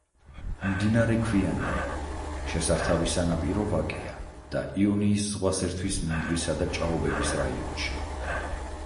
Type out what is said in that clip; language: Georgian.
მდინარე ქვიანია, შესართავი სანაპირო ვაკეა და იონიის ზღვას ერთვის მინდვრისა და ჭაობების რაიონში.